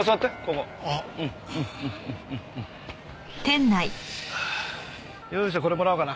これもらおうかな。